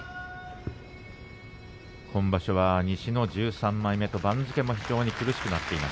今場所は西の１３枚目と番付も苦しくなっています